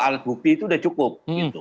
dua alat bukti itu sudah cukup